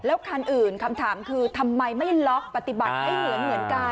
แล้วคันอื่นคำถามคือทำไมไม่ล็อกปฏิบัติให้เหมือนกัน